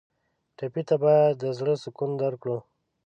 ټپي ته باید د زړه سکون درکړو.